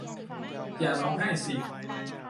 อย่าร้องไห้สิ